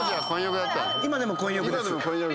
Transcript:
今でも混浴です。